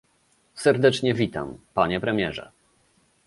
Serdecznie witam, panie premierze